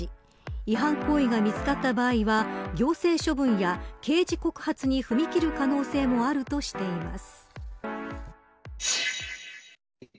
違反行為が見つかった場合は行政処分や刑事告発に踏み切る可能性もあるとしています。